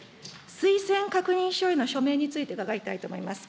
推薦確認書への署名について伺いたいと思います。